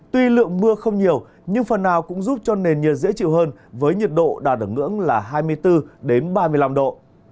tuy lượng mưa không nhiều nhưng phần nào cũng giúp cho nền nhiệt dễ chịu hơn với nhiệt độ đạt ở ngưỡng là hai mươi bốn ba mươi năm độ